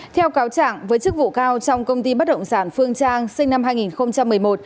theo cáo trạng với chức vụ cao trong công ty bất động sản phương trang sinh năm hai nghìn một mươi một